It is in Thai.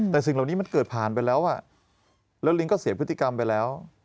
แต่สิ่งเหล่านี้มันเกิดผ่านไปแล้วแล้วลิงก็เสียพฤติกรรมไปแล้ว